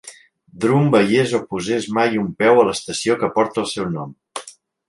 Drum veiés o posés mai un peu a l'estació que porta el seu nom.